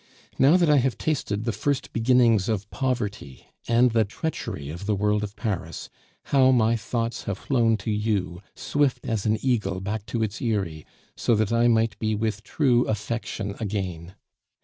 Now that I have tasted the first beginnings of poverty and the treachery of the world of Paris, how my thoughts have flown to you, swift as an eagle back to its eyrie, so that I might be with true affection again.